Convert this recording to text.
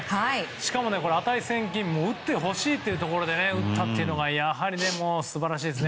しかも値千金打ってほしいというところで打ったというのがやはり、素晴らしいです。